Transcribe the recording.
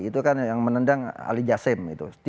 itu kan yang menendang ali yassim itu